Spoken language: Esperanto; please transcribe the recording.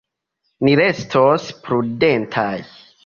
Ni restos prudentaj.